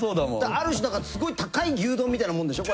ある種だからすごい。みたいなもんでしょう？